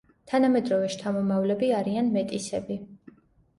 თანამედროვე შთამომავლები არიან მეტისები.